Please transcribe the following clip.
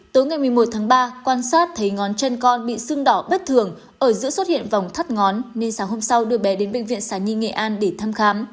tối ngày một mươi một tháng ba quan sát thấy ngón chân con bị sưng đỏ bất thường ở giữa xuất hiện vòng thắt ngón nên sáng hôm sau đưa bé đến bệnh viện sản nhi nghệ an để thăm khám